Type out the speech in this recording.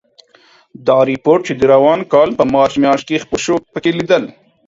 دا رپوټ چې د روان کال په مارچ میاشت کې خپور شو، پکې لیدل